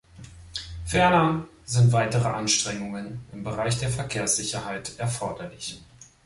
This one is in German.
Ferner sind weitere Anstrengungen im Bereich der Verkehrssicherheit erforderlich.